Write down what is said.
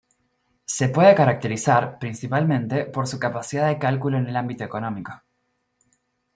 Se puede caracterizar, principalmente, por su capacidad de cálculo en el ámbito económico.